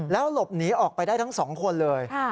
แล้วหลบหนีออกไปได้ทั้ง๒คนเลย